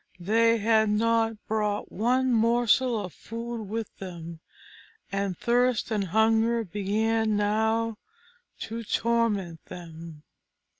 They had not brought one morsel of food with them, and thirst and hunger began now to torment them.